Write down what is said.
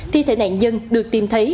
thì thể nạn nhân được tìm thấy